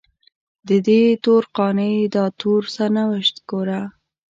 ددې تور قانع داتور سرنوشت ګوره